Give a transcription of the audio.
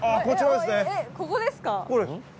ここですか？